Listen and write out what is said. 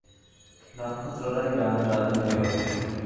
নক্ষত্ররায়ই গ্রামের রাজা হইয়া উঠিলেন।